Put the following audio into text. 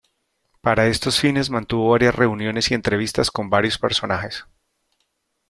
Para estos fines mantuvo varias reuniones y entrevistas con varios personajes.